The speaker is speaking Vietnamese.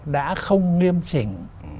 đã không nghiêm chỉnh